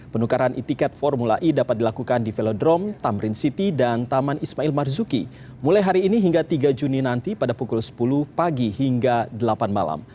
penukaran e ticket formula e dapat dilakukan di velodrome tamrin city dan taman ismail marzuki mulai hari ini hingga tiga juni nanti pada pukul sepuluh pagi hingga delapan malam